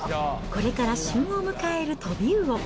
これから旬を迎えるトビウオ。